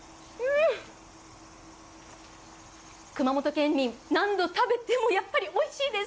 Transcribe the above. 熊本県民、何度食べてもやっぱりおいしいです。